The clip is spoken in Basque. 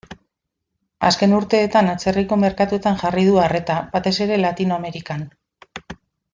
Azken urteetan atzerriko merkatuetan jarri du arreta, batez ere Latinoamerikan.